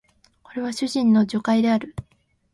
これは主人の述懐である